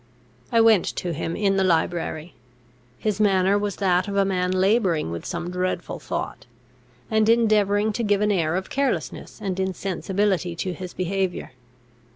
I went to him in the library. His manner was that of a man labouring with some dreadful thought, and endeavouring to give an air of carelessness and insensibility to his behaviour.